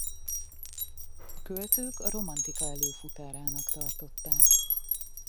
A költők a romantika előfutárának tartották.